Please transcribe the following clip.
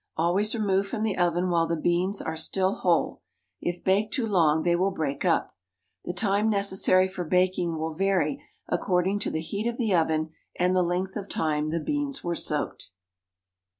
Always remove from the oven while the beans are still whole. If baked too long they will break up. The time necessary for baking will vary according to the heat of the oven and the length of time the beans were soaked.